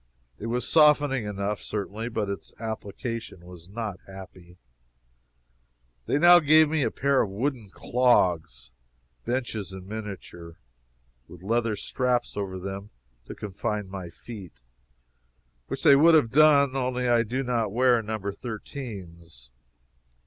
It was softening enough, certainly, but its application was not happy. They now gave me a pair of wooden clogs benches in miniature, with leather straps over them to confine my feet (which they would have done, only I do not wear No. 13s.)